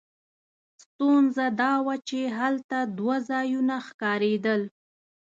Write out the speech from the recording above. ستونزه دا وه چې هلته دوه ځایونه ښکارېدل.